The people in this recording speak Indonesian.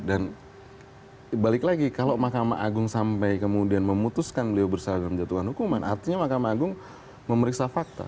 dan balik lagi kalau mahkamah agung sampai kemudian memutuskan beliau bersalah dalam jatuhan hukuman artinya mahkamah agung memeriksa fakta